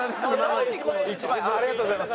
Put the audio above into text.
１万円ありがとうございます。